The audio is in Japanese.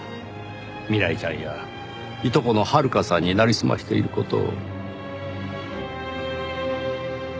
未来ちゃんやいとこの遥香さんになりすましている事を。